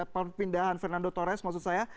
perpindahan fernando torres maksud saya